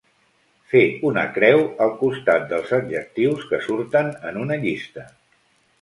Fer una creu al costat dels adjectius que surten en una llista.